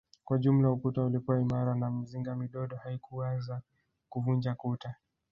Kwa jumla ukuta ulikuwa imara na mizinga midogo haikuweza kuvunja kuta